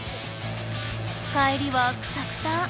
帰りはクタクタ。